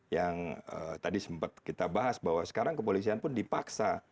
yang tadi sempat kita bahas bahwa sekarang kepolisian pun dipaksa